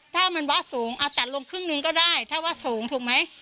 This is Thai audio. ถ้ามันวะสูงเอาตัดลงครึ่งหนึ่งก็ได้ถ้าว่าสูงถูกไหม